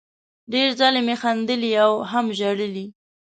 ډېر ځلې مې خندلي او هم ژړلي